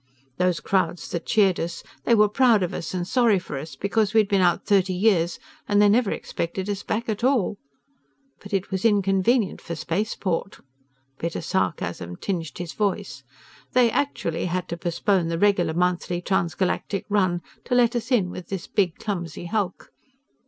Those crowds that cheered us, they were proud of us and sorry for us, because we'd been out thirty years and they never expected us back at all. But it was inconvenient for Spaceport." Bitter sarcasm tinged his voice. "They actually had to postpone the regular monthly Trans Galactic run to let us in with this big, clumsy hulk."